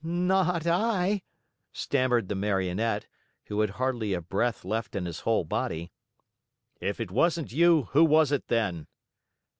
"Not I," stammered the Marionette, who had hardly a breath left in his whole body. "If it wasn't you, who was it, then?"